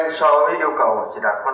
nhưng thử thế cũng chỉ đạt năm m hai người